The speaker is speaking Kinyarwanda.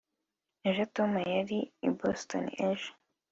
ejo tom yari i boston ejo